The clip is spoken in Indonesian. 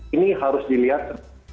ini harus dilihat